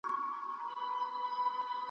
بيا به ګورئ بيا به وينئ `